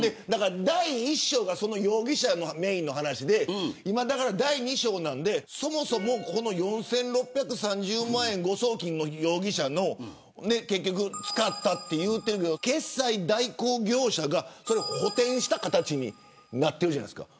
第１章が容疑者メーンの話で今、第２章なのでそもそも、この４６３０万円誤送金の容疑者の使ったと言っているけど決済代行業者が補てんした形になっているじゃないですか。